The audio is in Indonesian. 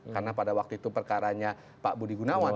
karena pada waktu itu perkaranya pak budi gunawan